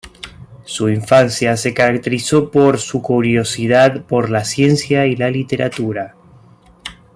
Su infancia se caracterizó por su curiosidad por la ciencia y la literatura.